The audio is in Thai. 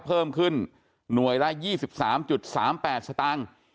เพิ่มขึ้นหน่วยละ๒๓๓๘สตางค์